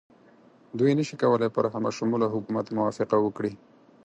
دوی نه شي کولای پر همه شموله حکومت موافقه وکړي.